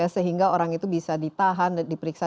sehingga orang itu bisa ditahan dan diperiksa